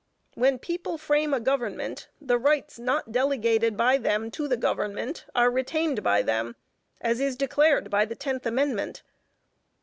When people frame a government the rights not delegated by them to the government, are retained by them, as is declared by the tenth amendment.